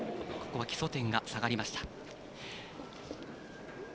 ここは基礎点が下がりました。